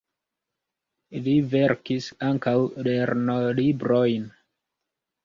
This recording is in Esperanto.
Li verkis ankaŭ lernolibrojn.